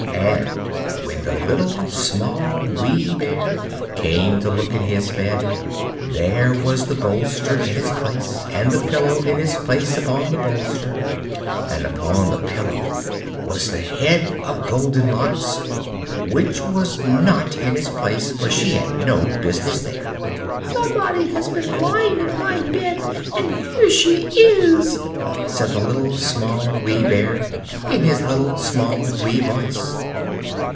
And when the Little, Small, Wee Bear came to look at his bed, there was the bolster in its place; and the pillow in its place upon the bolster; and upon the pillow was the head of Goldenlocks which was not in its place, for she had no business there. "SOMEBODY HAS BEEN LYING IN MY BED AND HERE SHE IS!" said the Little, Small, Wee Bear, in his little, small, wee voice.